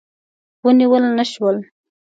ونیول نه شول.